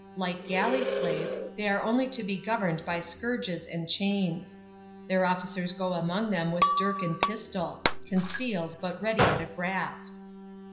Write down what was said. Like galley slaves, they are only to be governed by scourges and chains. Their officers go among them with dirk and pistol — concealed, but ready at a grasp.